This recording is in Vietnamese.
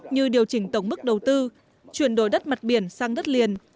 như điều chỉnh tổng mức đầu tư chuyển đổi đất mặt biển sang đất liền